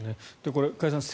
これ、加谷さん